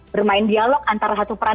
bermain dialog antara satu peran